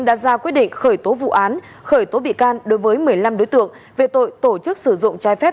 đã ra quyết định khởi tố vụ án khởi tố bị can đối với một mươi năm đối tượng về tội tổ chức sử dụng trái phép